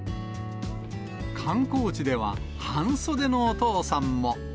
観光地では、半袖のお父さんも。